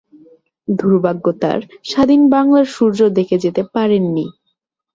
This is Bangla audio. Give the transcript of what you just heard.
দুর্ভাগ্য তাঁর, স্বাধীন বাংলার সূর্য দেখে যেতে পারেন নি।